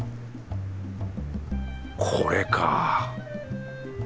これか。